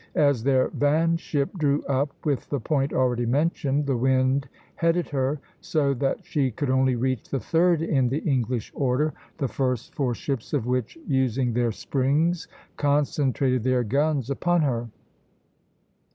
As their van ship drew up with the point already mentioned, the wind headed her, so that she could only reach the third in the English order, the first four ships of which, using their springs, concentrated their guns upon her.